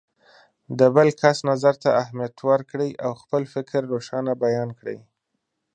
د بل کس نظر ته اهمیت ورکړئ او خپل فکر روښانه بیان کړئ.